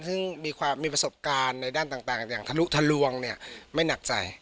ซึ่งมีความมีประสบการณ์ในด้านต่างอย่างทะลุทะลวงเนี่ยไม่หนักใจ